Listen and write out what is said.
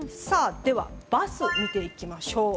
では、バスを見ていきましょう。